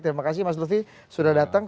terima kasih mas lutfi sudah datang